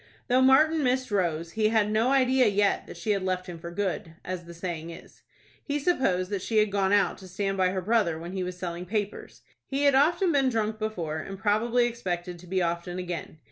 Though Martin missed Rose he had no idea yet that she had left him for good, as the saying is. He supposed that she had gone out to stand by her brother when he was selling papers. He had often been drunk before, and probably expected to be often again.